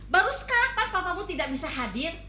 baru sekarang kan papamu tidak bisa hadir